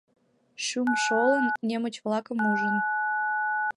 Шӱм шолын, немыч-влакым ужын